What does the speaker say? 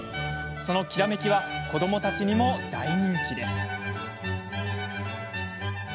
そのきらめきは子どもたちにも大人気です。